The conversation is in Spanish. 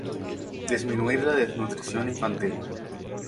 Disminuir la desnutrición infantil.